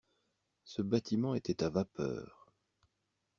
Ce bâtiment était à vapeur.